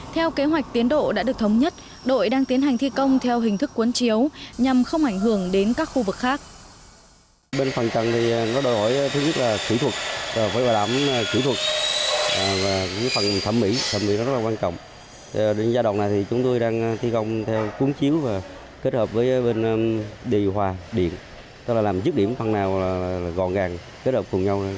theo kế hoạch tiến độ đã được thống nhất đội đang tiến hành thi công theo hình thức cuốn chiếu nhằm không ảnh hưởng đến các khu vực khác